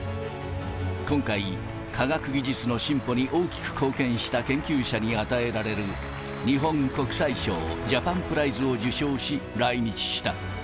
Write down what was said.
今回、科学技術の進歩に大きく貢献した研究者に与えられる、日本国際賞・ジャパンプライズを受賞し、来日した。